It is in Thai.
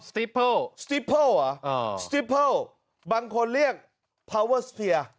สติปเปิ้ลสติปเปิ้ลหรอสติปเปิ้ลบางคนเรียกพาวเวอร์สเฟียร์